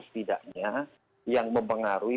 setidaknya yang mempengaruhi